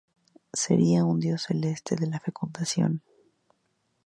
Sería un dios celeste de la fecundación.